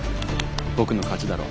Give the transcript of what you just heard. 僕の勝ちだろ？